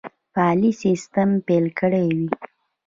فعالي دسیسې پیل کړي وې.